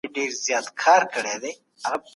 په پښتو کي د انساني ارزښتونو پالنه په ښه توګه سوې ده